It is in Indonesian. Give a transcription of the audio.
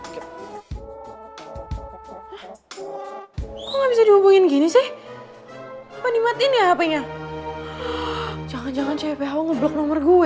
jangan jangan cypho ngeblok nomer gue